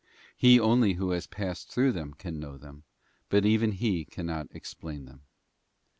He only who has passed through them can know them, but even he cannot explain them.